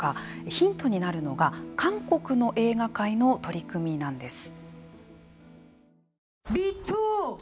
ヒントになるのが韓国の映画界の取り組みなんです。